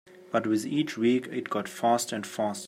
But with each week I got faster and faster.